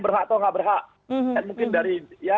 berhak atau enggak berhak mungkin dari